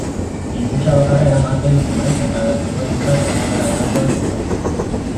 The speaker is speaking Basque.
Hilkutxa bakarra eramaten zuen eta gertukoentzat egongela erosoa zeukan.